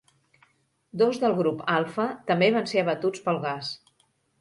Dos del Grup Alpha també van ser abatuts pel gas.